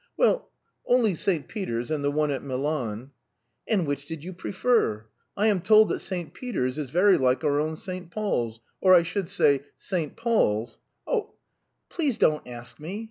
"Well, only St. Peter's and the one at Milan." "And which did you prefer! I am told that St. Peter's is very like our own St. Paul's or I should say St. Paul's " "Oh, please don't ask me!